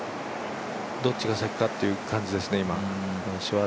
どっちが先かって感じですね。